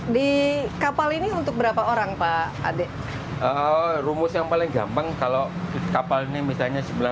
di kapal ini untuk berapa orang pak adek rumus yang paling gampang kalau kapal ini misalnya sembilan puluh m ya plays sembilan puluh kan